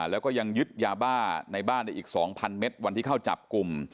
แล้วก็ยังยึดยาบ้าในบ้านได้อีก๒๐๐เมตรวันที่เข้าจับกลุ่ม